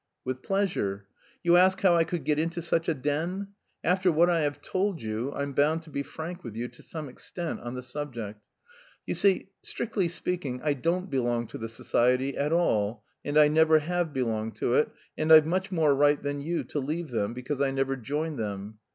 "With pleasure. You ask how I could get into such a den? After what I have told you, I'm bound to be frank with you to some extent on the subject. You see, strictly speaking, I don't belong to the society at all, and I never have belonged to it, and I've much more right than you to leave them, because I never joined them.